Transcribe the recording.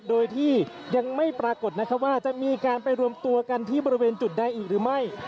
โดยที่ยังไม่ปรากฏนะครับว่าจะมีการไปรวมตัวกันที่บริเวณจุดใดอีกหรือไม่